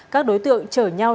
các đối tượng chở nhau